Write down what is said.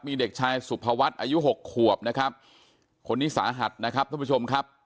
มีเด็กชายสุภวัฒน์อายุหกขวบนะครับคนนี้สาหัสนะครับท่านผู้ชมครับ